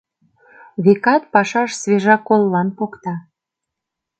Векат, пашаш свежа коллан покта?